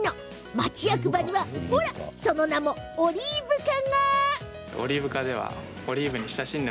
町役場にはその名も、オリーブ課。